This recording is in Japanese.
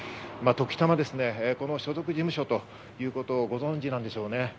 ときたま、この所属事務所ということをご存知なんでしょうね。